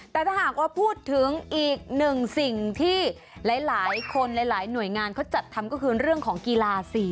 แต่ถ้าหากว่าพูดถึงอีกหนึ่งสิ่งที่หลายคนหลายหน่วยงานเขาจัดทำก็คือเรื่องของกีฬาสิ